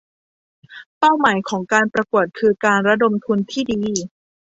เป้าหมายของการประกวดคือการระดมทุนที่ดี